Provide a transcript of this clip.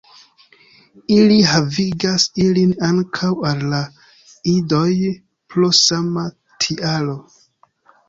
Ili havigas ilin ankaŭ al la idoj pro sama tialo.